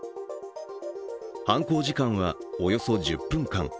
犯行時間はおよそ１０分間。